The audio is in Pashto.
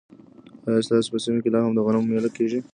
ایا ستاسو په سیمه کې لا هم د غنمو مېله کیږي؟